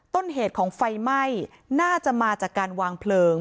ต้นเหตุของไฟไหม้น่าจะมาจากการวางเพลิง